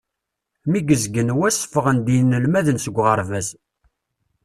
Mi i izeggen wass, ffɣen-d yinelmaden seg uɣerbaz.